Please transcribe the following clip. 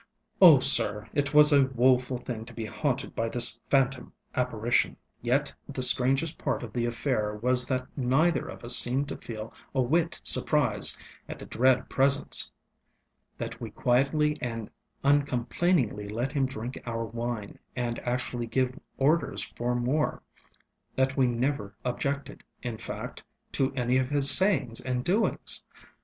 Oh, sir, it was a woful thing to be haunted by this phantom apparition. Yet the strangest part of the affair was that neither of us seemed to feel a whit surprised at the dread presence; that we quietly and uncomplainingly let him drink our wine, and actually give orders for more; that we never objected, in fact, to any of his sayings and doings.